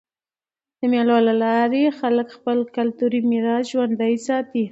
د مېلو له لاري خلک خپل کلتوري میراث ژوندى ساتي.